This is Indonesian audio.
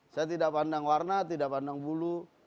saya tidak pandang warna tidak pandang bulu